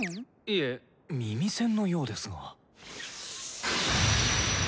いえ耳栓のようですが。